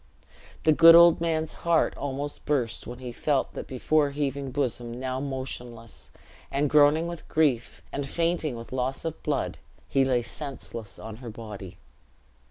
The good old man's heart almost burst when he felt that before heaving bosom now motionless; and groaning with grief, and fainting with loss of blood, he lay senseless on her body.